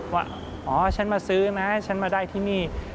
ว่าอ๋อฉันมาซื้อนะฉันมาได้ที่นี่